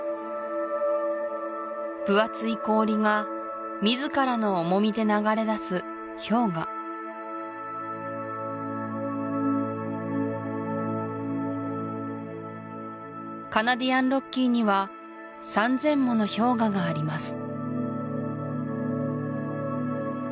分厚い氷が自らの重みで流れだす氷河カナディアンロッキーには３０００もの氷河があります